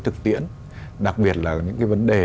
thực tiễn đặc biệt là những vấn đề